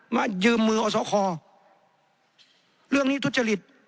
มายืมมือเอาซ่อขอเรื่องนี้ทุจริษ